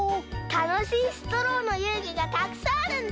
たのしいストローのゆうぐがたくさんあるんだ！